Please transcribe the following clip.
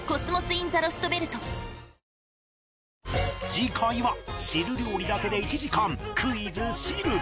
次回は汁料理だけで１時間「クイズ！汁」